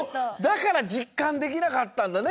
だからじっかんできなかったんだね